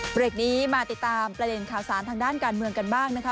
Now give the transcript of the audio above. เบรกนี้มาติดตามประเด็นข่าวสารทางด้านการเมืองกันบ้างนะคะ